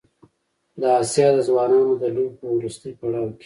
د اسیا د ځوانانو د لوبو په وروستي پړاو کې